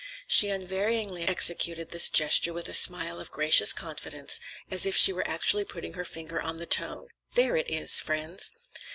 She unvaryingly executed this gesture with a smile of gracious confidence, as if she were actually putting her finger on the tone: "There it is, friends!"